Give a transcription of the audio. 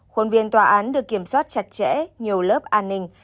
khuôn viên tòa án được kiểm soát chặt chẽ nhiều lớp an ninh